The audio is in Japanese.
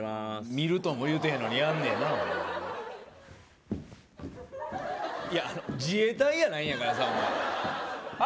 見るとも言うてへんのにやんねんなホンマにいや自衛隊やないんやからさお前あ